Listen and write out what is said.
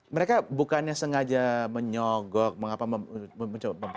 mereka bukannya sengaja menyogok mengapa mencoba